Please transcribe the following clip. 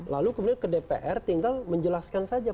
lalu kemudian ke dpr tinggal menjelaskan saja